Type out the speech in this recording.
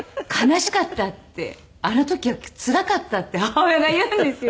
「あの時はつらかった」って母親が言うんですよ。